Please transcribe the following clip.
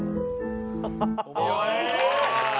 すごい！